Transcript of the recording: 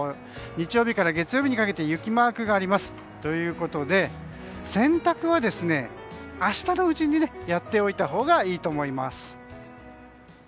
日曜日から月曜日にかけて雪マークがあります。ということで洗濯は明日のうちにやっておいたほうがいいと思います。